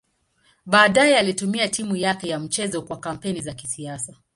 Baadaye alitumia timu yake ya michezo kwa kampeni za kisiasa.